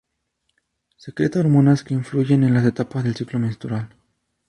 Secreta hormonas que influyen en las etapas del ciclo menstrual.